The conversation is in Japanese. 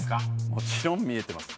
もちろん見えてます。